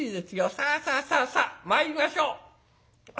さあさあさあさあ参りましょう」。